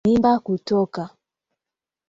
Mimba kutoka